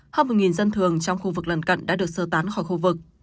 hơn một dân thường trong khu vực lần cận đã được sơ tán khỏi khu vực